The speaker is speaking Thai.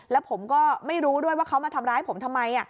แล้วผมก็ไม่รู้ด้วยว่าเขามาทำร้ายผมทำไม